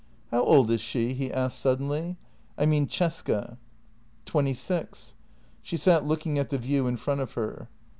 "How old is she?" he asked suddenly. "I mean Cesca." " Twenty six." She sat looking at the view in front of her.